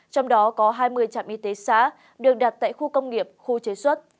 trong đó có hai mươi trạm y tế xã được đặt tại khu công nghiệp khu chế xuất